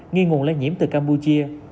nghi nguồn lây nhiễm từ campuchia